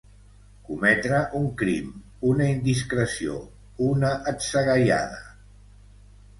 Cometre un crim, una indiscreció, una atzagaiada.